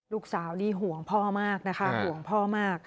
ลูกสาวนี้ห่วงพ่อมากค่ะ